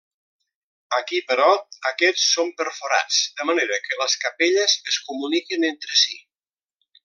Aquí, però, aquests són perforats, de manera que les capelles es comuniquen entre si.